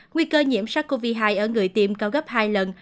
nguy cơ nhiễm sars cov hai ở người tiêm cao gấp hai lần